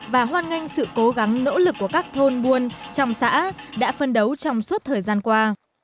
và hoan nghênh sự cố gắng nỗ lực của các thôn buôn trong xã đã phân đấu trong suốt thời gian qua